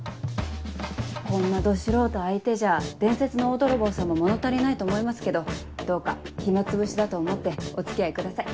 こんなど素人相手じゃ伝説の大泥棒さんも物足りないと思いますけどどうか暇つぶしだと思ってお付き合いください。